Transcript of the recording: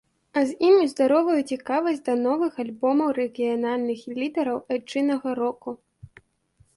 А з ім і здаровую цікавасць да новых альбомаў рэгіянальных лідэраў айчыннага року.